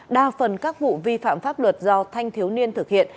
đa phần các vụ vi phạm pháp luật do thanh thiếu niên thực hiện